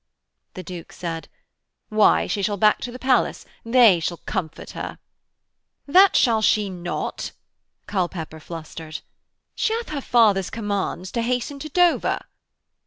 The Duke said: 'Why, she shall back to the palace. They shall comfort her.' 'That shall she not,' Culpepper flustered. 'Sh'ath her father's commands to hasten to Dover.'